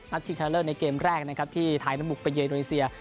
นัดดิฉันเธอเลอส์ในเกมแรกนะครับที่ถ่ายน้ำหมุกไปเยือนโรนีเซีย